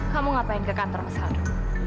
kamu ngapain ke kantor mas aldo